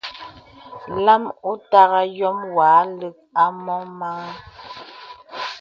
Lām òtagà yôm wà àlə̀k à mɔ màn.